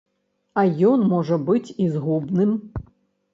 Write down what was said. А ён можа быць і згубным.